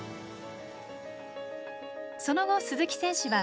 その後鈴木選手は